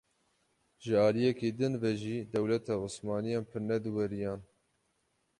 Ji aliyekî din ve jî dewleta osmaniyan pir ne diwêriyan.